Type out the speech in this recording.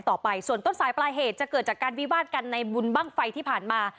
ต่อไปส่วนต้นสายปลายเหตุจะเกิดจากการวิวาดกันในบุญบ้างไฟที่ผ่านมา